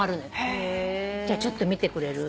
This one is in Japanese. じゃあちょっと見てくれる？